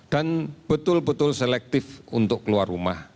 dan betul betul selektif untuk keluar rumah